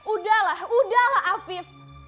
udahlah udahlah afif